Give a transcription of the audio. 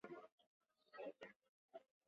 绑匪幕后主脑又到底是谁？